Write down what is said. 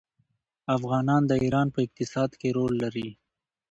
افغانان د ایران په اقتصاد کې رول لري.